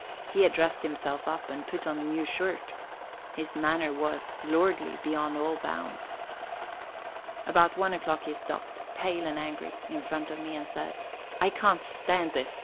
He had dressed himself up and put on a new shirt; his manner was, lordly beyond all bounds. About one o'clock he stopped, pale and angry, in front of me, and said: "I can't stand this!